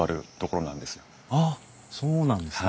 あっそうなんですね。